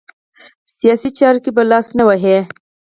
سیاسي چارو کې به لاس نه وهي.